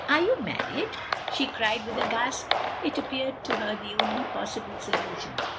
"Are you married?" she cried, with a gasp. It appeared to her the only possible solution.